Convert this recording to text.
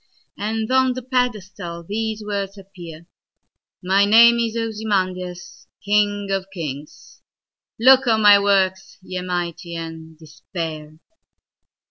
And on the pedestal these words appear:"My name is Ozymandias, king of kings:Look on my works, ye mighty, and despair!"